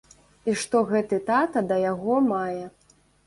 І што гэты тата да яго мае.